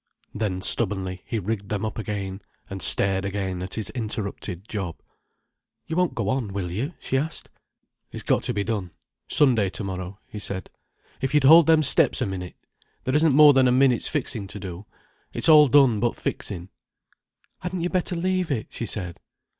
Then stubbornly, he rigged them up again, and stared again at his interrupted job. "You won't go on, will you?" she asked. "It's got to be done, Sunday tomorrow," he said. "If you'd hold them steps a minute! There isn't more than a minute's fixing to do. It's all done, but fixing." "Hadn't you better leave it," she said.